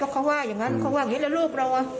เขาว่าอย่างนั้นเขาว่าอย่างนี้แล้วลูกเรา